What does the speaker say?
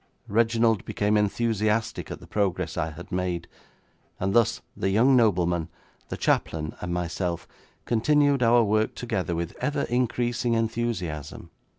Reginald became enthusiastic at the progress I had made, and thus the young nobleman, the chaplain, and myself continued our work together with ever increasing enthusiasm.